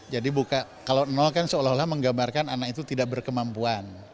jadi kalau nol kan seolah olah menggambarkan anak itu tidak berkemampuan